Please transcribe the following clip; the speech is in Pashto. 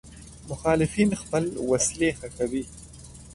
مخالفین خپل وسلې ښخوي.